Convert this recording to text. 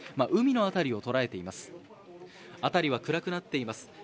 海の辺りを捉えています。